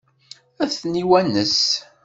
Ad ten-iwanes?